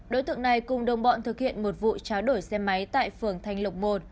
đối tượng này cùng đồng bọn thực hiện một vụ tráo đổi xe máy tại phường thanh lộc một